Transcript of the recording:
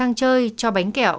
sang chơi cho bánh kẹo